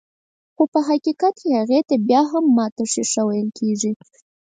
خو په حقيقت کې بيا هم هغې ته ماته ښيښه ويل کيږي.